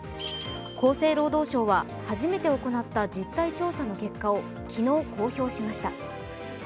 厚生労働省は初めて行った実態調査の結果を昨日公表しました。